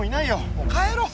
もう帰ろう。